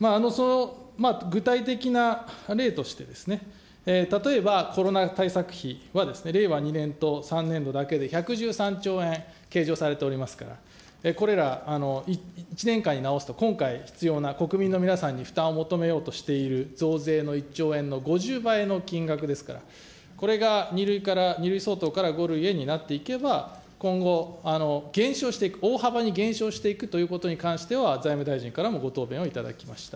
具体的な例として、例えばコロナ対策費はですね、令和２年と３年度だけで１１３兆円、計上されておりますから、これら１年間に直すと、今回必要な国民の皆さんに負担を求めようとしている増税の１兆円の５０倍の金額ですから、これが２類から、２類相当から５類になっていけば、今後、減少していく、大幅に減少していくということに関しては、財務大臣からもご答弁を頂きました。